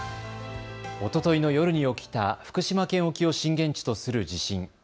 おとといの夜に起きた福島県沖を震源地とする地震。